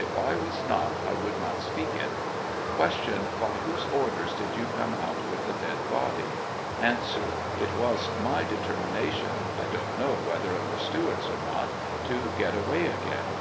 If I was not I would not speak it. Q. By whose orders did you come out with the dead body ? A. It was my determination, 1 don't know whether it was Stewart's or not, to get away again.